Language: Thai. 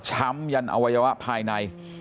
้ำยันอวัยวะภายใน